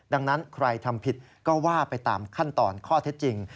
ดังนั้นใครทำผิดก็ว่าไปตามขั้นตอนข้อเท็จจริง